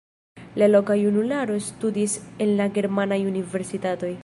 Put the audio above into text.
La loka junularo studis en la germanaj universitatoj.